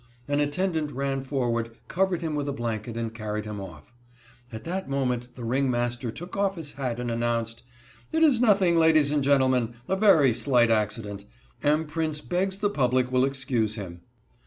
An attendant ran forward, covered him with a blanket, and carried him off. At that moment the ringmaster took off his hat and announced: "It is nothing, ladies and gentlemen; a very slight accident. M. Prince begs the public will excuse him."